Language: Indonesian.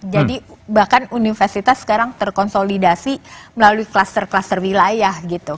jadi bahkan universitas sekarang terkonsolidasi melalui kluster kluster wilayah gitu